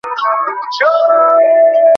আমার ব্যতিক্রমী হওয়া পছন্দ।